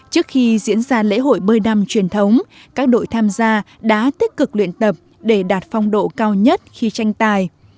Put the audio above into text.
trước khi diễn ra lễ hội bơi năm truyền thống các đội tham gia đã tích cực luyện tập để đạt phong độ cao nhất khi tranh tài